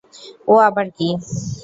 ও আবার কী?